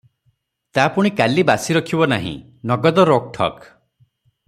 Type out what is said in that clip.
ତା ପୁଣି କାଲି ବାସି ରଖିବ ନାହିଁ, ନଗଦ ରୋକ ଠୋକ୍ ।